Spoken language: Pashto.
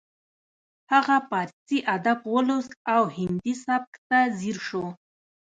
هغه پارسي ادب ولوست او هندي سبک ته ځیر شو